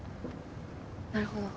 なるほど。